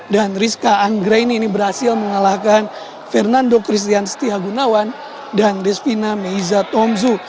dan rizka anggren ini berhasil mengalahkan fernando christian setiagunawan dan rizvina meiza tomzu